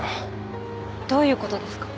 どういう事ですか？